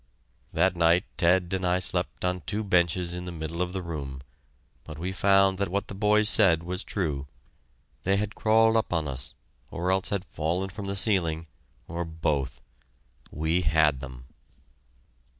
That night Ted and I slept on two benches in the middle of the room, but we found that what the boys said was true. They had crawled up on us, or else had fallen from the ceiling, or both. We had them!